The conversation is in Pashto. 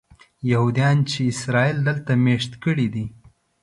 یهودیان چې اسرائیل دلته مېشت کړي دي.